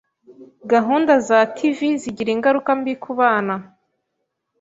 Gahunda za TV zigira ingaruka mbi kubana.